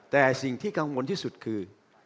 แต่สิ่งที่กังวลที่สุดคือ